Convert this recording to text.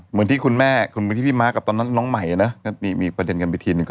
เหมือนที่คุณแม่ที่พี่ม้ากับตอนนั้นน้องใหม่นะมีประเด็นกันไปทีนึง